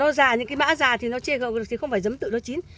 nó già những cái mã già thì nó chê cầu được thì không phải dấm tự nó chín